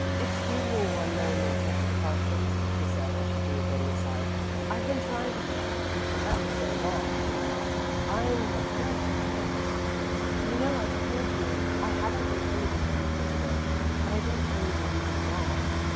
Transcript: "Excuse me one moment, Mr. Parsons," she said, as she drew Betty aside. "I've been trying to get at you for ever so long," she went on. "I'm in a dreadful fix. You know I told you I hadn't intended to come here to day, but I didn't tell you the reason why.